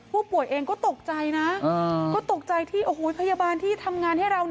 ผู้ป่วยเองก็ตกใจนะก็ตกใจที่โอ้โหพยาบาลที่ทำงานให้เรา